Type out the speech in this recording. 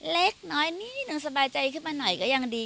เล็กน้อยนิดนึงสบายใจขึ้นมาหน่อยก็ยังดี